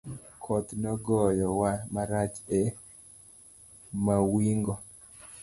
Koth nogoyo wa marach e mawingo.